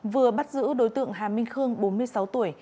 vừa bắt giữ đối tượng hà minh khương bốn mươi sáu tuổi